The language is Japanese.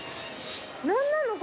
何なの？